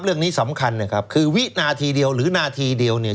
เรื่องนี้สำคัญนะครับคือวินาทีเดียวหรือนาทีเดียวเนี่ย